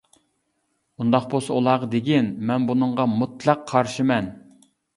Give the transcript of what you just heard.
-ئۇنداق بولسا ئۇلارغا دېگىن، مەن بۇنىڭغا مۇتلەق قارشىمەن.